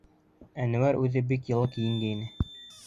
Әнүәр үҙе бик йылы кейенгәйне.